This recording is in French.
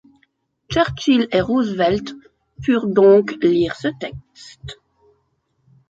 Churchill et Roosevelt purent donc lire ce texte.